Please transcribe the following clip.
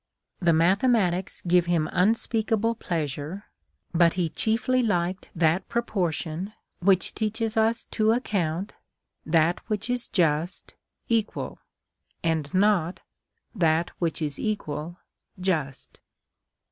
The mathematics give him unspeakable pleasure, but he chiefly liked that proportion which teaches us to account that which is just, equal ; and not that which is equal, just.